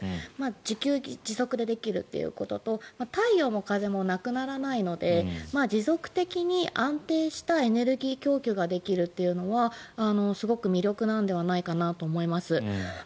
自給自足でできるというところと太陽も風もなくならないので持続的に安定したエネルギー供給ができるというのはすごく魅力なのではないかなと思います。